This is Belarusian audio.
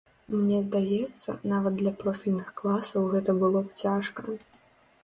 Мне здаецца, нават для профільных класаў гэта было б цяжка.